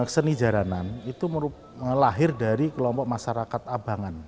seni jaranan itu melahir dari kelompok masyarakat abangan